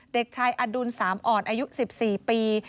เด็กชายอดุลสามอ่อนอายุ๑๔ปี